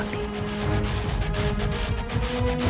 akan mengembangkan rai subang larang